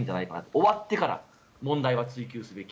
終わってから問題は追及すべき。